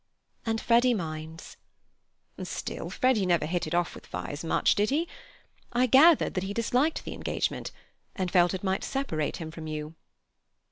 "And Freddy minds." "Still, Freddy never hit it off with Vyse much, did he? I gathered that he disliked the engagement, and felt it might separate him from you."